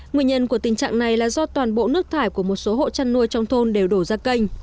nguyên nhân của tình trạng này là do toàn bộ nước thải của một số hộ chăn nuôi trong thôn đều đổ ra kênh